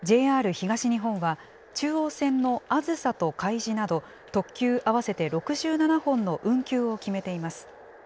ＪＲ東日本は、中央線のあずさとかいじなど、特急合わせて６７本の運休を決めています。